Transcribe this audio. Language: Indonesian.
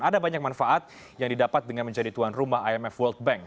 ada banyak manfaat yang didapat dengan menjadi tuan rumah imf world bank